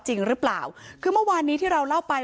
จริงหรือเปล่าคือเมื่อวานนี้ที่เราเล่าไป